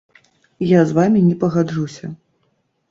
Я з вамі не пагаджуся.